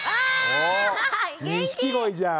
お錦鯉じゃん。